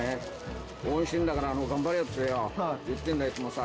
「応援してるんだから頑張れよ」ってよ言ってんだいつもさ